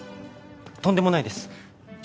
とんでもないです。